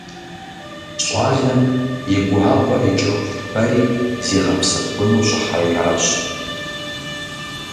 Щӏалэм и гуакъуэр икӏыху шхэри зигъэпсэхуну щӏыхьэжащ.